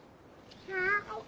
はい。